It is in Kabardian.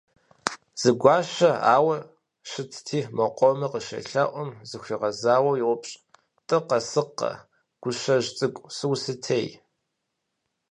Зы гущэ ауэ щытти мо къомыр къыщелъэӏум, зыхуигъэзауэ йоупщӏ: «Тӏыкъэ сыкъэ, гущэжь цӏыкӏу, усытей?».